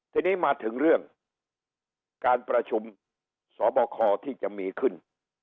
ทีนี้มาถึงเรื่องการประชุมสบคที่จะมีขึ้น